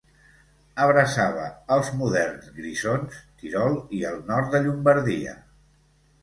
Abraçava els moderns Grisons, Tirol i el nord de Llombardia.